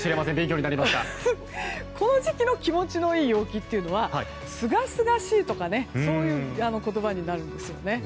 この時期の気持ちのいい陽気というのはすがすがしいとかそういう言葉になるんですよね。